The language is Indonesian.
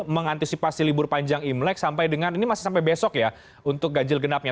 mengantisipasi libur panjang imlek sampai dengan ini masih sampai besok ya untuk ganjil genapnya